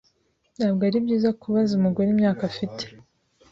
Ntabwo ari byiza kubaza umugore imyaka afite.